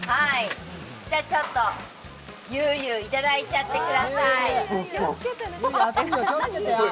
ちょっとゆうゆう、いただいちゃってください。